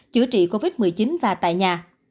chữa trị covid một mươi chín và tại nhà